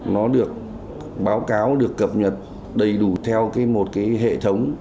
nó được báo cáo được cập nhật đầy đủ theo một cái hệ thống